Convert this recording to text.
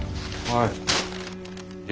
はい。